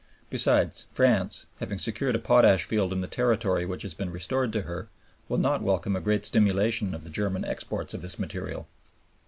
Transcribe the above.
Besides, France, having secured a potash field in the territory which has been restored to her, will not welcome a great stimulation of the German exports of this material.